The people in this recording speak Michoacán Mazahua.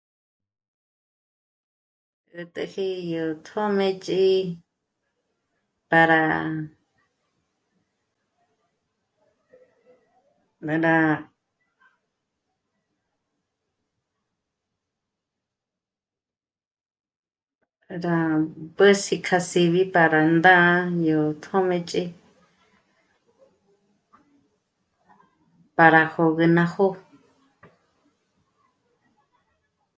'ätäji yó tjō̌mëch'i para... rá... rá mbüs'ï k'a síbi para rá ndá'a yó tjō̌mëch'i para hö̀gü ná jó'o